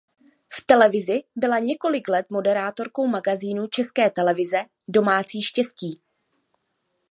V televizi byla několik let moderátorkou magazínu České televize "Domácí štěstí".